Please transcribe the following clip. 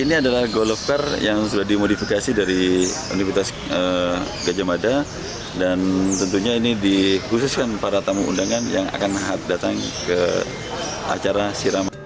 ini adalah golf care yang sudah dimodifikasi dari universitas gajah mada dan tentunya ini dikhususkan para tamu undangan yang akan datang ke acara siraman